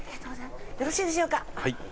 よろしいでしょうか？